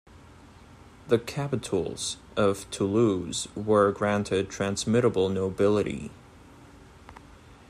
The capitouls of Toulouse were granted transmittable nobility.